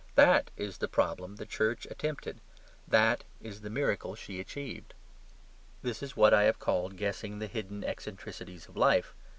THAT is the problem the Church attempted; THAT is the miracle she achieved. This is what I have called guessing the hidden eccentricities of life.